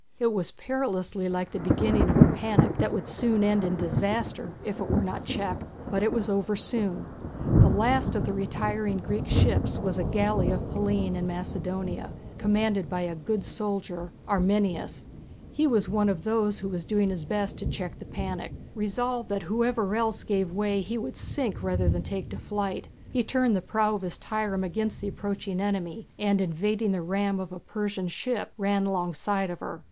It was perilously like the beginning of a panic that would soon end in disaster if it were not checked. But it was soon over. The last of the retiring Greek ships was a galley of Pallene in Macedonia, commanded by a good soldier, Arminias. He was one of those who was doing his best to check the panic. Resolved that whoever else gave way he would sink rather than take to flight, he turned the prow of his trireme against the approaching enemy, and evading the ram of a Persian ship ran alongside of her.